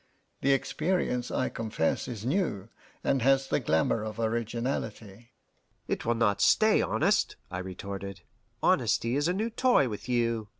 The experience, I confess, is new, and has the glamour of originality." "It will not stay honest," I retorted. "Honesty is a new toy with you.